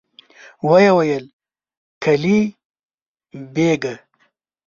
ويې ويل: قلي بېګه!